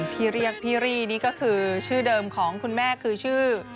ภีรี่นี่ก็คือชื่อเดิมของคุณแม่จะคือเชอรี่นั่นเองนะคะ